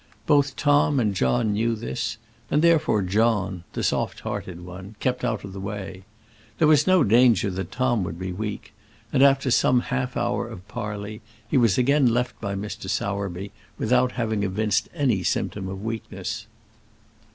Both Tom and John knew this; and, therefore, John the soft hearted one kept out of the way. There was no danger that Tom would be weak; and, after some half hour of parley, he was again left by Mr. Sowerby, without having evinced any symptom of weakness.